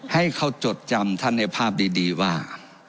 ให้เขาจดจำท่านในภาพดีว่า